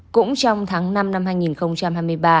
cũng trong tháng năm năm hai nghìn hai mươi ba